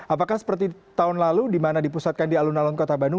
apakah seperti tahun lalu di mana dipusatkan di alun alun kota bandung